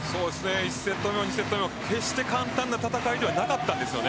１セット目も２セット目も決して簡単な戦いではなかったんです。